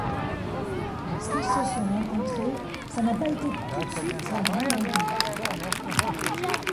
Lorsqu'ils se sont rencontrés, ça n'a pas été tout de suite la grande entente.